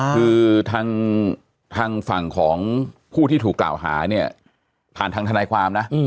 คือทางฝั่งของผู้ที่ถูกกล่าวหาเนี่ยผ่านทางทนายความนะ